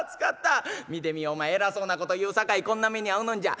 「見てみいお前偉そうなこと言うさかいこんな目に遭うのんじゃ。